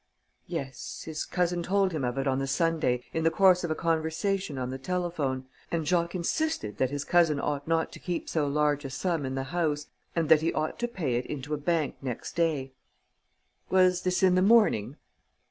"Yes. His cousin told him of it on the Sunday, in the course of a conversation on the telephone, and Jacques insisted that his cousin ought not to keep so large a sum in the house and that he ought to pay it into a bank next day." "Was this in the morning?"